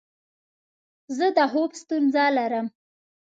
زه د خوب ستونزه لرم.